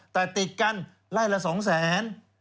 แต่ติดกันล้ายละ๒๐๐๐๐๐บาท